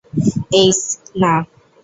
এইস, না!